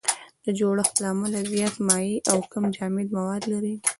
د جوړښت له امله زیات مایع او کم جامد مواد لري.